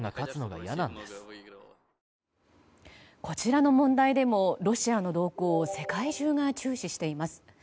こちらの問題でもロシアの動向を世界中が注視しています。